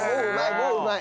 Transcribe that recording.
もううまい。